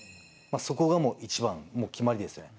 そこが一番もう決まりですよね。